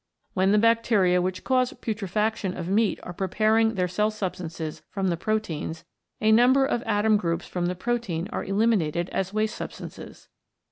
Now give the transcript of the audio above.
When the bacteria which cause putrefaction of meat are preparing their cell substances from the proteins, a number of atom groups from protein are elimin ated as waste substances.